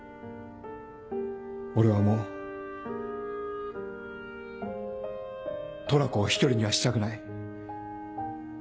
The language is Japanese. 俺はもうトラコを一人にはしたくない。